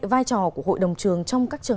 vai trò của hội đồng trường trong các trường